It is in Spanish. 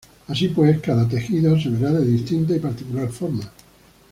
Así pues, cada tejido se verá de distinta y particular forma.